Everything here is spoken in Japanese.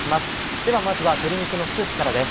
ではまずは鶏肉のスープからです。